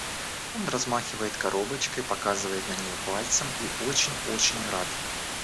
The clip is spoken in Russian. Он размахивает коробочкой, показывает на неё пальцем и очень очень рад.